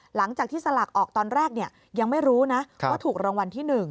หลังจากที่สลากออกตอนแรกยังไม่รู้นะว่าถูกรางวัลที่๑